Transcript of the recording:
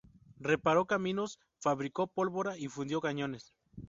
Reparó caminos, fabricó pólvora y fundió cañones.